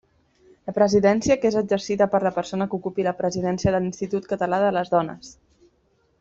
La presidència, que és exercida per la persona que ocupi la Presidència de l'Institut Català de les Dones.